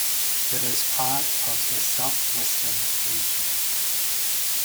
It is part of the south-western region.